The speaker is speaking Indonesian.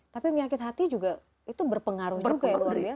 tapi penyakit hati juga itu berpengaruh juga ya luar biasa